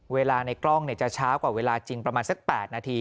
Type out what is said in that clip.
ในกล้องจะช้ากว่าเวลาจริงประมาณสัก๘นาที